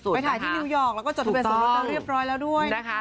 ไปถ่ายที่นิวยอร์กแล้วก็จดทะเบียสมรสกันเรียบร้อยแล้วด้วยนะคะ